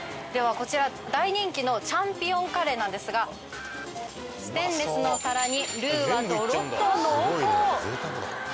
ではこちら大人気のチャンピオンカレーなんですがステンレスのお皿にルーはドロっと濃厚。